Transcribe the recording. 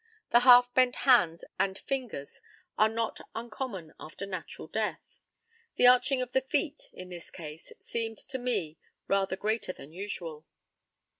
The half bent hands and fingers are not uncommon after natural death. The arching of the feet, in this case, seemed to me rather greater than usual.